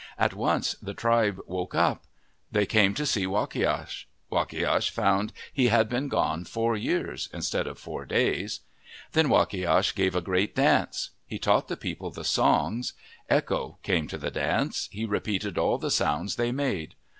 At once the tribe woke up. They came to see Wakiash. Wakiash found he had been gone four years instead of four days. Then Wakiash gave a great dance. He taught the oeople the songs. Echo came to the dance. He re peated all the sounds they made.